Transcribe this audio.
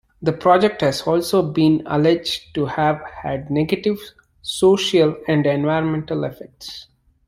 The project has also been alleged to have had negative social and environmental effects.